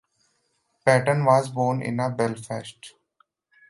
Patten was born in Belfast.